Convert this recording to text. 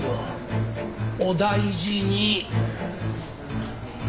お大事に！